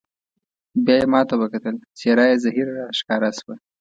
بیا یې ما ته وکتل، څېره یې زهېره راته ښکاره شوه.